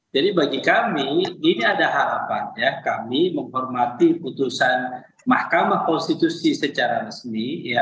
jadi bagi kami ini ada harapan ya kami menghormati keputusan mahkamah konstitusi secara resmi